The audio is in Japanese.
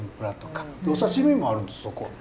お刺身もあるんですそこ。